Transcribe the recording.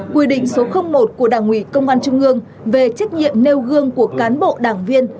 quy định số một của đảng ủy công an trung ương về trách nhiệm nêu gương của cán bộ đảng viên